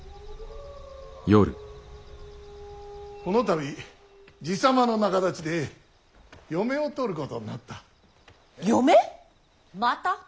この度爺様の仲立ちで嫁を取ることになった。